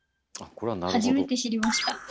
初めて知りました。